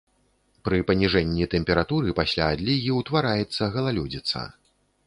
Пры паніжэнні тэмпературы пасля адлігі ўтвараецца галалёдзіца.